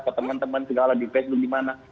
keteman teman segala di facebook di mana